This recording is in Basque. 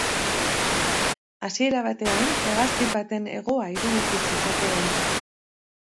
Hasiera batean, hegazkin baten hegoa iruditu zezakeen.